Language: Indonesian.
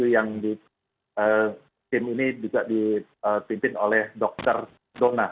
yang tim ini juga ditimpin oleh dokter dona